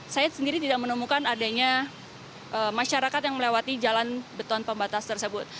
saya sendiri tidak menemukan adanya masyarakat yang melewati jalan beton pembatas tersebut